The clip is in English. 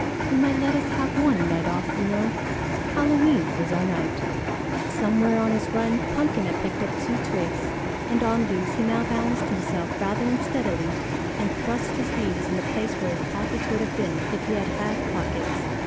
"You might let us have one night off, you know. Halloween is our night." Somewhere on his run, Pumpkin had picked up two twigs, and on these he now balanced himself rather unsteadily and thrust his leaves in the place where his pockets would have been if he had had pockets.